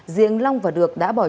diện long và được đã bỏ trốn